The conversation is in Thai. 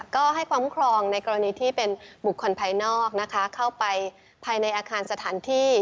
ก็ให้ความคุ้มครองในกรณีที่เป็นบุคคลภายนอกนะคะเข้าไปภายในอาคารสถานที่